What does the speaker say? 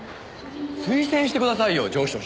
推薦してくださいよ上司として。